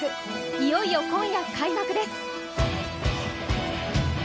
いよいよ今夜開幕です。